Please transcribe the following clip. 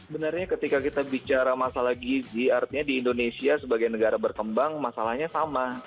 benarnya ketika kita bicara masalah gizi artinya di indonesia sebagai negara berkembang masalahnya sama